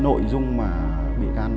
căn cứ vào cái nội dung mà bị gan khai nhận